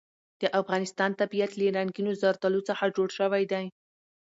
د افغانستان طبیعت له رنګینو زردالو څخه جوړ شوی دی.